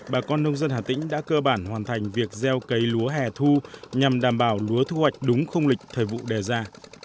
bà con nông dân hà tĩnh đã cơ bản hoàn thành việc gieo cấy lúa hẻ thu nhằm đảm bảo lúa thu hoạch đúng không lịch thời vụ đề ra